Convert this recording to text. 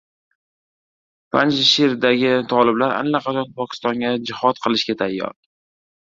Panjshirdagi toliblar allaqachon Pokistonda jihod qilishga tayyor